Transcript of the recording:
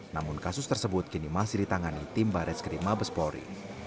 namun kasus tersebut kini masih ditangani tim bares krim mabespori